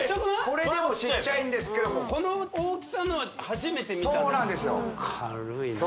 これでもちっちゃいんですけどもこの大きさのは初めて見たそうなんですよ